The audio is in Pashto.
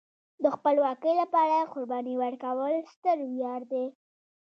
د خپلواکۍ لپاره قرباني ورکول ستر ویاړ دی.